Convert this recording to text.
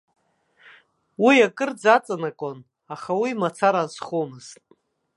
Уи акырӡа аҵанакуан, аха уи мацара азхомызт.